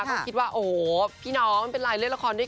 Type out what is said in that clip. ก็คิดว่าโหพี่น้องเป็นรายเล่นละครด้วยกัน